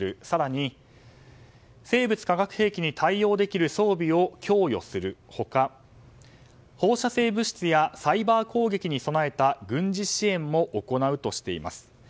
更に、生物・化学兵器に対応できる装備を供与する他、放射性物質やサイバー攻撃に備えた軍事支援も行うとしています。